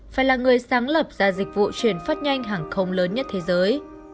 phải là người sáng lập ra dịch vụ chuyển phát nhanh hàng không lớn nhất thế giới